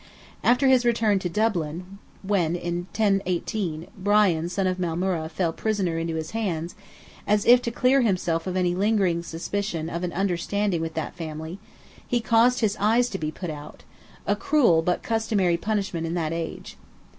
After his return to Dublin, when, in 1018, Brian, son of Maelmurra, fell prisoner into his hands, as if to clear himself of any lingering suspicion of an understanding with that family, he caused his eyes to be put out—a cruel but customary punishment in that age.